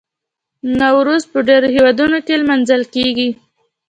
نوروز په ډیرو هیوادونو کې لمانځل کیږي.